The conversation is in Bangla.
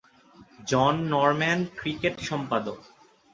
জন নরম্যান ক্রিকেট সম্পাদক।